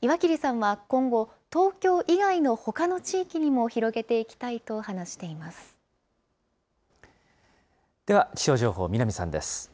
岩切さんは今後、東京以外のほかの地域にも広げていきたいと話しでは、気象情報、南さんです。